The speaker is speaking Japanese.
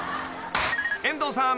［遠藤さん。